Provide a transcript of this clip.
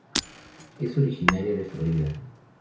Es originaria de Florida.